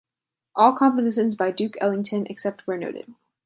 All compositions by Duke Ellington except where noted